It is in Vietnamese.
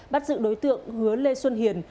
bắt giữ đối tượng hứa lê xuân hiền